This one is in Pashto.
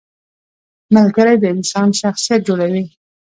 • ملګری د انسان شخصیت جوړوي.